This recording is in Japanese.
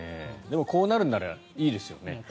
でも、こうなるならいいですよね。